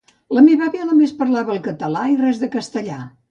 La meva àvia només parlava el català i res de castellà